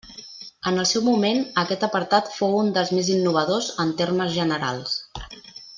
En el seu moment aquest apartat fou un dels més innovadors en termes generals.